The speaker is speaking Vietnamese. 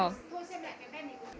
đó xem lại cái bên này